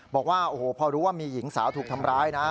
บอกว่าโอ้โหพอรู้ว่ามีหญิงสาวถูกทำร้ายนะ